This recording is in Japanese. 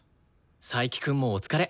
佐伯くんもお疲れ。